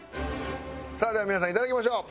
さあでは皆さん頂きましょう。